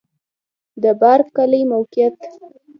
د بارک کلی موقعیت